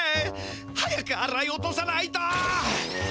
早くあらい落とさないと！